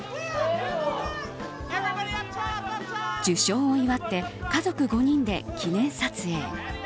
受賞を祝って家族５人で記念撮影。